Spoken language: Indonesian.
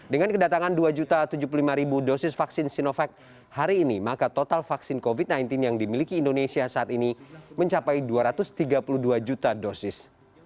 dengan kedatangan dua tujuh puluh lima dosis vaksin sinovac hari ini maka total vaksin covid sembilan belas yang dimiliki indonesia saat ini mencapai dua ratus tiga puluh dua juta dosis